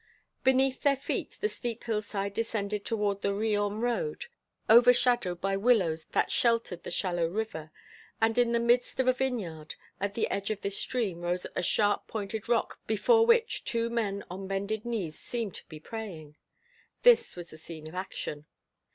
Beneath their feet, the steep hillside descended toward the Riom road, overshadowed by willows that sheltered the shallow river; and in the midst of a vineyard at the edge of this stream rose a sharp pointed rock before which two men on bended knees seemed to be praying. This was the scene of action.